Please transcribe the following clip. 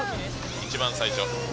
一番最初。